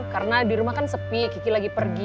karena di rumah kan sepi kiki lagi pergi